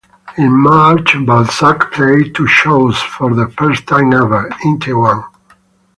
In March Balzac played two shows, for the first time ever, in Taiwan.